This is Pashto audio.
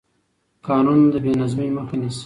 قانون د بې نظمۍ مخه نیسي